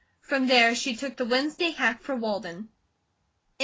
From there she took the Wednesday hack for Walden.